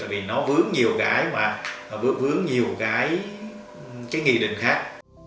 vì nó vướng nhiều cái nghị định khác